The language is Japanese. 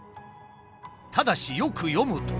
ただしよく読むと。